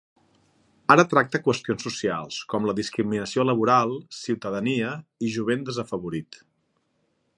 Ara tracta qüestions socials com la discriminació laboral, ciutadania i jovent desfavorit.